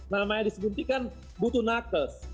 namanya disuntik kan butuh nakes